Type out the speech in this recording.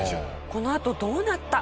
このあとどうなった？